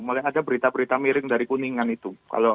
mulai ada berita berita miring dari kuningan itu